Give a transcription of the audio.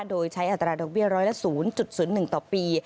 โดยใช้อัตราดอกเบี้ร้อยละ๐๐๑ต่อปี